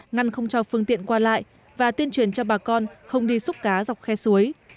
ngăn không cho phương tiện qua lại và tuyên truyền cho bà con không đi xúc cá dọc khe suối